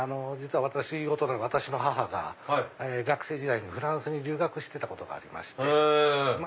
実は私の母が学生時代にフランスに留学してたことがありまして。